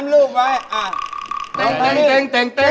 แม่หน้าของพ่อหน้าของพ่อหน้า